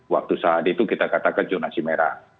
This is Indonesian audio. waktu saat itu kita katakan jonasi merah